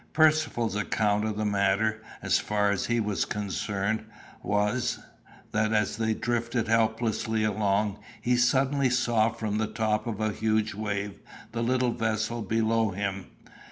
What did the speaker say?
Percivale's account of the matter, as far as he was concerned, was, that as they drifted helplessly along, he suddenly saw from the top of a huge wave the little vessel below him.